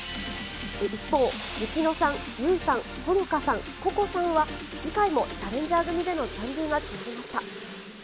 一方、ユキノさん、ユウさん、ホノカさん、ココさんは、次回もチャレンジャー組での残留が決まりました。